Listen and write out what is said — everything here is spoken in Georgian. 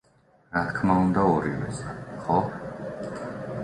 რა თქმა უნდა ორივეზე, ხო?